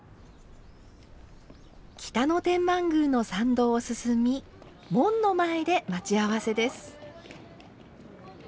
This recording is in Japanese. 北野天満宮の参道を進み門の前で待ち合わせです。